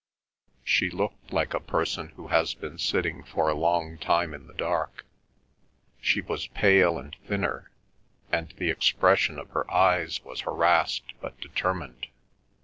She looked like a person who has been sitting for a long time in the dark. She was pale and thinner, and the expression of her eyes was harassed but determined.